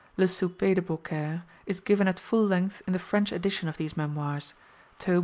'Le Souper de Beaucaire' is given at full length in the French edition of these Memoirs, tome i.